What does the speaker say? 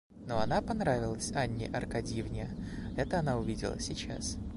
Но она понравилась Анне Аркадьевне, — это она увидела сейчас.